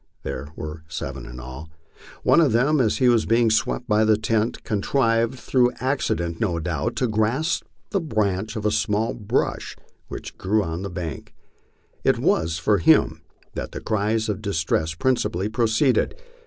There were seven in all. One of them, as he was being swept by the tent, contrived, through accident no doubt, to grasp the branch of a small bush which grew on the bank. It was from him that the cries of distress principally proceeded.